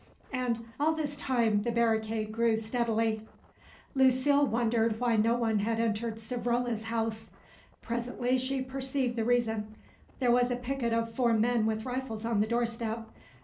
And all this time the barricade grew steadily. Lucile wondered why no one had entered Savrola's house. Presently she perceived the reason; there was a picket of four men with rifles on the doorstep.